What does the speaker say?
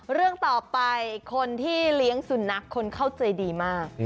เรื่องต่อไปคนที่เลี้ยงสุนัขคนเข้าใจดีมาก